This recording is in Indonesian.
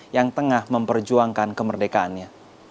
yang tengah memperjuangkan kemerdekaannya